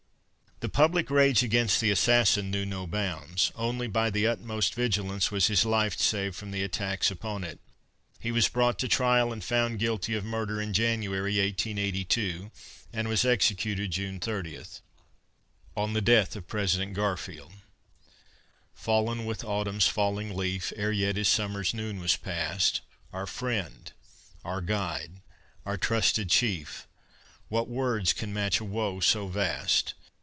The public rage against the assassin knew no bounds. Only by the utmost vigilance was his life saved from the attacks upon it. He was brought to trial and found guilty of murder in January, 1882, and was executed June 30. ON THE DEATH OF PRESIDENT GARFIELD I Fallen with autumn's falling leaf Ere yet his summer's noon was past, Our friend, our guide, our trusted chief, What words can match a woe so vast!